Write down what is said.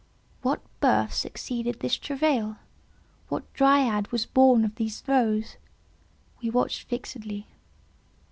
What birth succeeded this travail? What Dryad was born of these throes? We watched fixedly.